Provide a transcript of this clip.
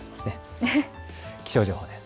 気象情報です。